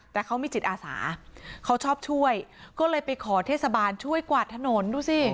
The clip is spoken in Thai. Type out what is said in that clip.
แต่เขามีจิตอาสาเขาชอบช่วยก็เลยไปขอเทศบาลช่วยกวาดถนนดูสิ